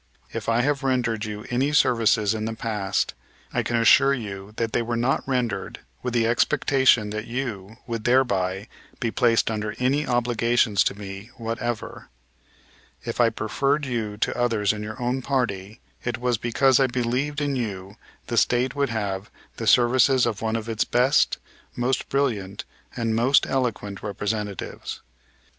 If I have rendered you any services in the past, I can assure you that they were not rendered with the expectation that you would thereby be placed under any obligations to me whatever. If I preferred you to others in your own party it was because I believed in you the State would have the services of one of its best, most brilliant and most eloquent representatives.